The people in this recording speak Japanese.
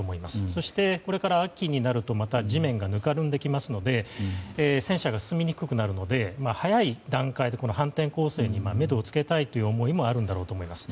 そして、これから秋になるとまた地面がぬかるんできますので戦車が進みにくくなるので早い段階で反転攻勢にめどをつけたいという思いもあるんだと思います。